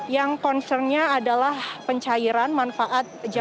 yang concernnya adalah pencairan manfaat